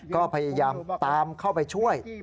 ก็พยายามตามเข้าไปช่วย